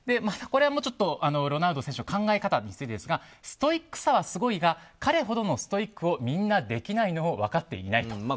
これもロナウド選手の考え方についてですがストイックさはすごいが彼ほどのストイックはみんなできないのを分かっていないと。